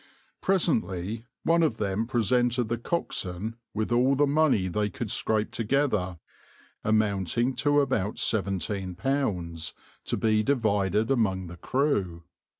Presently one of them presented the coxswain with all the money they could scrape together, amounting to about £17, to be divided among the crew.